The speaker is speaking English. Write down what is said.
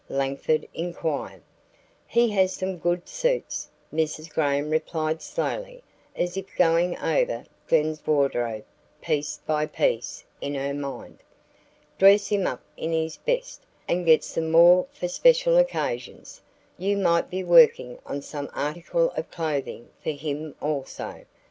Langford inquired. "He has some good suits," Mrs. Graham replied slowly as if going over Glen's wardrobe piece by piece, in her mind. "Dress him up in his best and get some more for special occasions. You might be working on some article of clothing for him also.